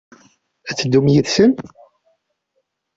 Ad teddum yid-sen?